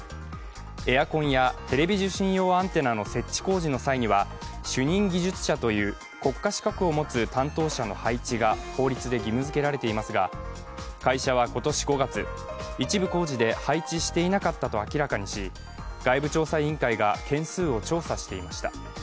エアコンやテレビ受信用アンテナの設置工事の際には国家資格を持つ担当者の配置が法律で義務づけられていますが会社は今年５月、一部工事で配置していなかったと明らかにし外部調査委員会が件数を調査していました。